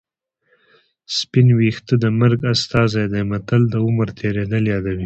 سپین ویښته د مرګ استازی دی متل د عمر تېرېدل یادوي